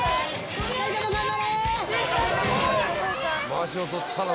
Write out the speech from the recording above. まわしを取ったら。